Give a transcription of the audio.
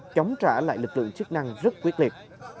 chống trả lại lực lượng chức năng rất quyết liệt